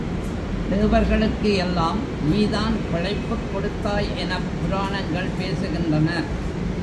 தேவர்களுக்கு எல்லாம் நீதான் பிழைப்புக் கொடுத்தாய் எனப் புராணங்கள் பேசுகின்றன.